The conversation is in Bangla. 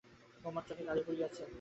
তােমার চোখে কালি পড়িয়াছে।